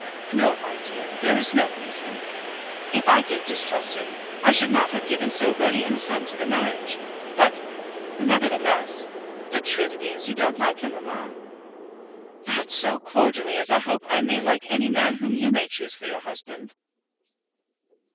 "No, my dear; there is no reason. If I did distrust him, I should not have given so ready an assent to the marriage. But, nevertheless " "The truth is, you don't like him, mamma." "Not so cordially as I hope I may like any man whom you may choose for your husband."